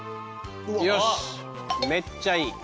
よしめっちゃいい。